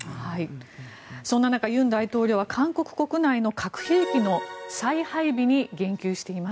そんな中尹大統領は韓国国内の核兵器の再配備に言及しています。